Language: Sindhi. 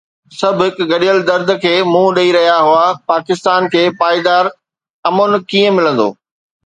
سڀ هڪ گڏيل درد کي منهن ڏئي رهيا هئا: پاڪستان کي پائيدار امن ڪيئن ملندو؟